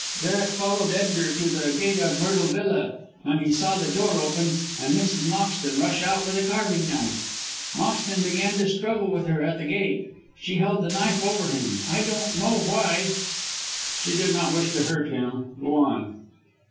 Garret followed Edgar to the gate of Myrtle Villa, when he saw the door open, and Mrs. Moxton rush out with a carving knife. Moxton began to struggle with her at the gate. She held the knife over him I don't know why." "She did not wish to hurt him. Go on."